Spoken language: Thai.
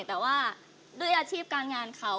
แต่ว่าด้วยอาชีพการงานเขา